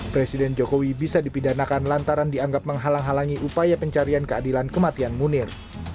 presiden jokowi bisa dipidanakan lantaran dianggap menghalang halangi upaya pencarian keadilan kematian munir